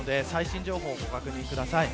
最新情報をご確認ください。